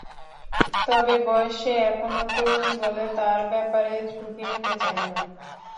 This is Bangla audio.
তবে বয়সে এখনো তরুণ বলে তাঁর ব্যাপারে ঝুঁকি নিতে চাই না।